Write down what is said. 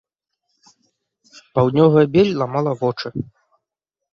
Паўднёвая бель ламала вочы.